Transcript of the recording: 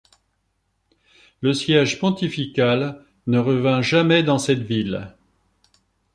Le siège pontifical ne revint jamais dans cette ville.